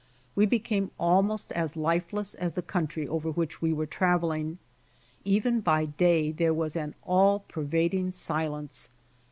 We became almost as lifeless as the country over which we were traveling. Even by day there was an all pervading silence.